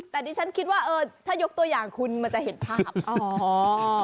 แต่อันนี้ฉันคิดว่าถ้ายกตัวอย่างคุณมันจะเห็นภาพ